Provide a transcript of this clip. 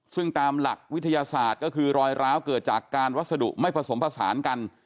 ซึ่งตามหลักวิทยาศาสตร์ก็คือรอยร้าวเกิดจากการวัสดุไม่ผสมผสานกัน